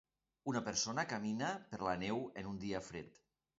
Una persona camina per la neu en un dia fred.